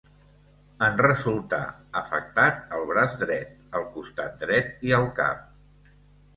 En resultà afectat al braç dret, al costat dret i al cap.